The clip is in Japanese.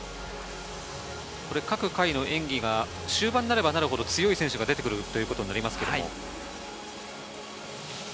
各回の演技が終盤になればなるほど、強い選手が出てくるということになりますけれども。